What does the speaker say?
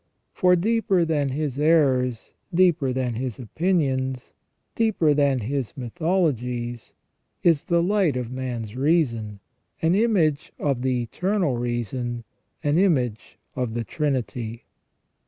For deeper than his errors, deeper than his opinions, deeper than his mythologies, is the light of man's reason, an image of the Eternal Reason, an image of the Trinity.